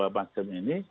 satu ratus dua macam ini